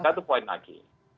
satu poin lagi